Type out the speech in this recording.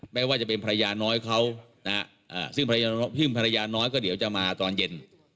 ไม่ว่าจะเป็นภรรยาน้อยเขานะฮะซึ่งภรรยาน้อยก็เดี๋ยวจะมาตอนเย็น